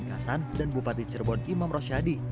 kasan dan bupati cirebon imam rosyadi